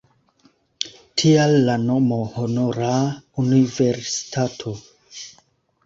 Tial la nomo 'Honora universitato'.